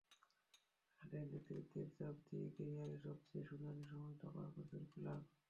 কাঁধে নেতৃত্বের চাপ নিয়েই ক্যারিয়ারের সবচেয়ে সোনালি সময়টা পার করেছে ক্লার্ক।